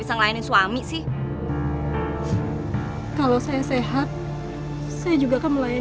sampai jumpa di video selanjutnya